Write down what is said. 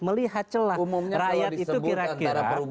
melihat celah rakyat itu kira kira